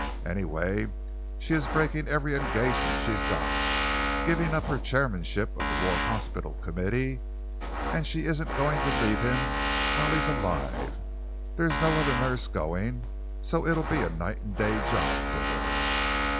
Anyway, she is breaking every engagement she's got, giving up her chairmanship of the War Hospitals Committee, and she isn't going to leave him while he's alive. There's no other nurse going, so it'll be a night and day job for her."